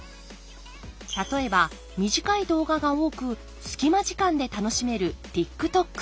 例えば短い動画が多く隙間時間で楽しめるＴｉｋＴｏｋ。